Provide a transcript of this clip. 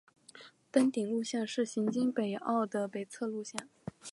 登顶路线是行经北坳的北侧路线。